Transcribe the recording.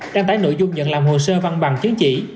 đăng tải nội dung nhận làm hồ sơ văn bằng chứng chỉ